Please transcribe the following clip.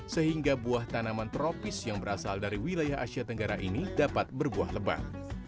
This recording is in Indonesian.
sehingga buah tanaman tropis yang berasal dari wilayah asia tenggara ini dapat berbuah lebat